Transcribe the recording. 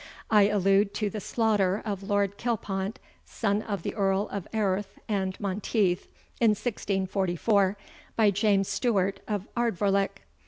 I allude to the slaughter of Lord Kilpont, son of the Earl of Airth and Monteith, in 1644, by James Stewart of Ardvoirlich.